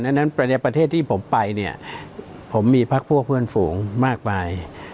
นั้นไปในประเทศที่ผมไปเนี่ยผมมีพักพวกเพื่อนฝูงมากมาย